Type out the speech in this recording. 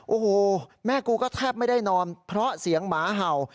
โอ้โหแม่กูก็แทบไม่ได้นอนเพราะเสียงหมาเห่า